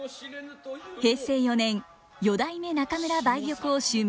平成４年四代目中村梅玉を襲名します。